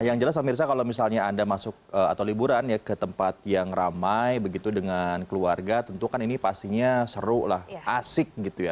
yang jelas pak mirza kalau misalnya anda masuk atau liburan ya ke tempat yang ramai begitu dengan keluarga tentu kan ini pastinya seru lah asik gitu ya